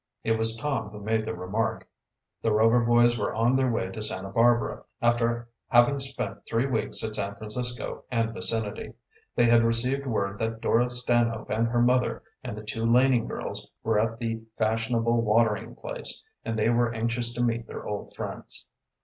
It was Tom who made the remark. The Rover boys were on their way to Santa Barbara, after having spent three weeks at San Francisco and vicinity. They had received word that Dora Stanhope and her mother and the two Laning girls were at the fashionable watering place, and they were anxious to meet their old friends.